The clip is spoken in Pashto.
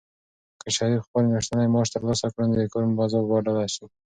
که شریف خپل میاشتنی معاش ترلاسه کړي، نو د کور فضا به بدله شي.